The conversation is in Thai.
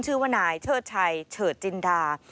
ชื่อว่านายเชิดชัยเฉิดจินดา